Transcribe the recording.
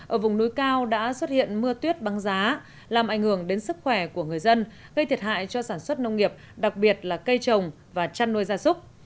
ở vùng núi cao đã xuất hiện mưa tuyết băng giá làm ảnh hưởng đến sức khỏe của người dân gây thiệt hại cho sản xuất nông nghiệp đặc biệt là cây trồng và chăn nuôi gia súc